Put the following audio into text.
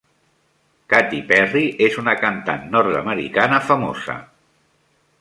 Katy Perry és una cantant nord-americana famosa.